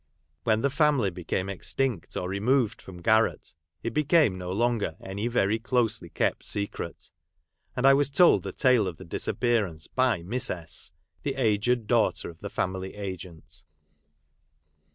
When the family became extinct, or removed from Garratt, it became no longer any very closely kept secret, and I was told the tale of the disappearance by Miss S , the aged daughter of the family agent.